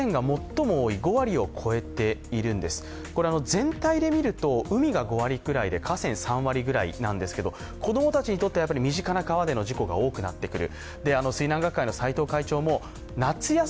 全体で見ると、海が５割くらい、河川３割ぐらいなんですが、子供たちにとってはやっぱり身近な川での事故が多くなってくる。